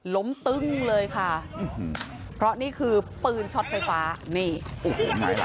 ล้มตึ้งเลยค่ะอื้อฮือเพราะนี่คือปืนช็อตไฟฟ้านี่โอ้โหไม่ล่ะ